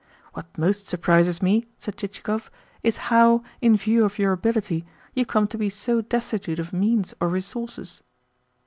"What most surprises me," said Chichikov, "is how, in view of your ability, you come to be so destitute of means or resources."